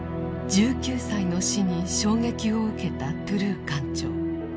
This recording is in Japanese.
１９歳の死に衝撃を受けたトゥルー艦長。